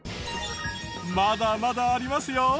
まだまだありますよ！